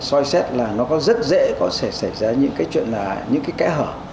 soi xét là nó có rất dễ có xảy ra những cái chuyện là những cái kẽ hở